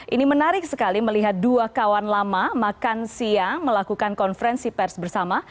ini menarik sekali melihat dua kawan lama makan siang melakukan konferensi pers bersama